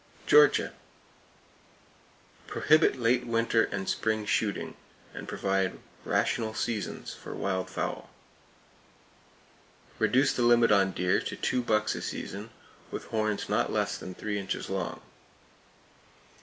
Georgia: Prohibit late winter and spring shooting, and provide rational seasons for wild fowl. Reduce the limit on deer to two bucks a season, with horns not less than three inches long.